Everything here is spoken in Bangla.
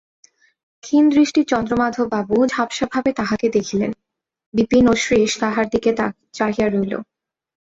ক্ষীণদৃষ্টি চন্দ্রমাধববাবু ঝাপসাভাবে তাহাকে দেখিলেন– বিপিন ও শ্রীশ তাহার দিকে চাহিয়া রহিল।